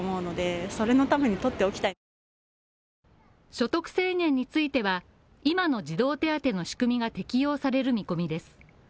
所得制限については、今の児童手当の仕組みが適用される見込みです。